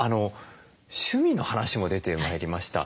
趣味の話も出てまいりました。